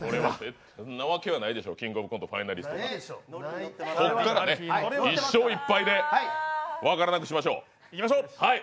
そんなわけはないでしょう「キングオブコント」ファイナリスト、ここからね、１勝１敗で、分からなくしましょう。